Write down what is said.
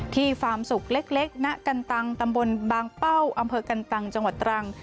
ฟาร์มสุขเล็กณกันตังตำบลบางเป้าอำเภอกันตังจังหวัดตรัง